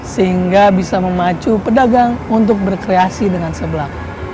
sehingga bisa memacu pedagang untuk berkreasi dengan sebelak